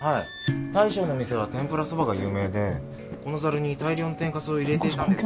大将の店は天ぷら蕎麦が有名でこのザルに大量の天かすを入れてたんですよ